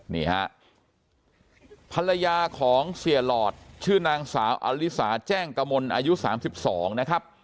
นี่ฮะภรรยาของเสียหลอดชื่อนางสาวอลิสาแจ้งกมลอายุ๓๒นะครับ